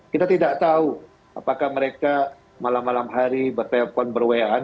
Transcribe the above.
kita tidak tahu apakah mereka malam malam hari ber telpon ber wa an